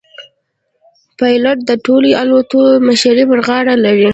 پیلوټ د ټولې الوتکې مشري پر غاړه لري.